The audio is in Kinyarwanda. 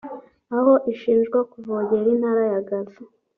aho ishinjwa kuvogera intara ya Gaza